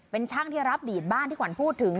เป็นช่างที่รับดีดบ้านที่ขวัญพูดถึง